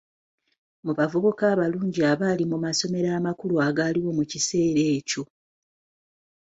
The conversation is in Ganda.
Mu bavubuka abalungi abaali mu masomero amakulu agaaliwo mu kiseera ekyo.